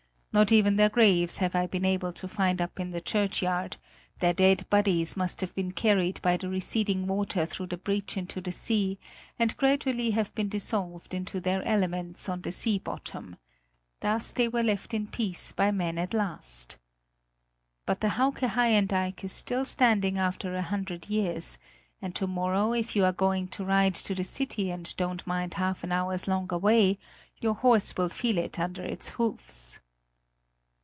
Not even their graves have I been able to find up in the churchyard; their dead bodies must have been carried by the receding water through the breach into the sea and gradually have been dissolved into their elements on the sea bottom thus they were left in peace by men at last. But the Hauke Haien dike is still standing after a hundred years, and to morrow, if you are going to ride to the city and don't mind half an hour's longer way, your horse will feel it under its hoofs.